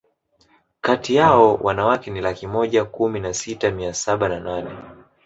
kati yao wanawake ni laki moja kumi na sita mia saba na nane